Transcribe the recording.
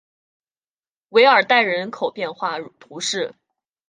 韦尔代人口变化图示